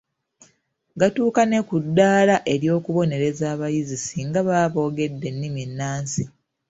Gatuuka ne ku ddaala ery’okubonereza abayizi singa baba boogedde ennimi ennansi.